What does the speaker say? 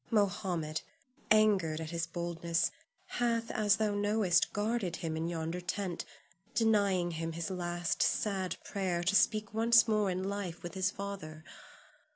Mohammed, angered at his boldness, hath, as thou knowest, guarded him in yonder tent, denying him his last sad prayer to speak once more in life with his father.